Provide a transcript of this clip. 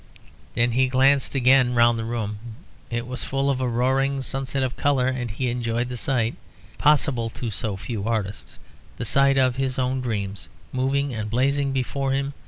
Then he glanced again round the room. It was full of a roaring sunset of colour, and he enjoyed the sight, possible to so few artists the sight of his own dreams moving and blazing before him.